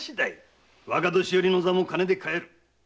若年寄の座も金で買える。